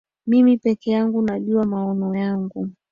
Mimi peke yangu najua maono yangu.